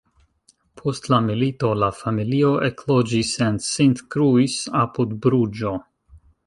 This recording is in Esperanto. Post la milito la familio ekloĝis en Sint-Kruis, apud Bruĝo.